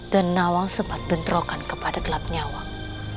dan nawang sempat bentrokan kepada gelapnya wang